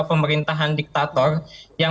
pemerintahan diktator yang